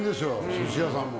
寿司屋さんも。